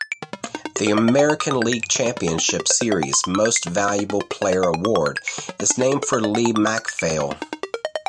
The American League Championship Series Most Valuable Player Award is named for Lee MacPhail.